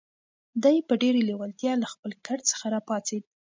دی په ډېرې لېوالتیا له خپل کټ څخه را پاڅېد.